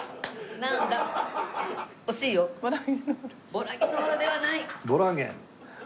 ボラギノールではない。